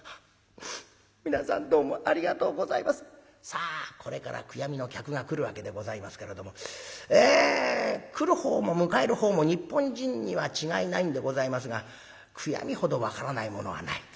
さあこれから悔やみの客が来るわけでございますけれどもえ来るほうも迎えるほうも日本人には違いないんでございますが悔やみほど分からないものはない。